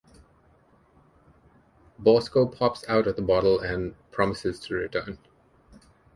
Bosko pops out of the bottle and promises to return.